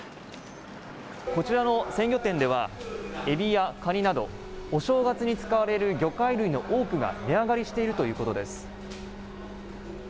こちらの鮮魚店では、エビやカニなど、お正月に使われる魚介類の多くが値上がりしているということです。